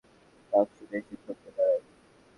ডাক শুনেই সে থমকে দাঁড়ায়।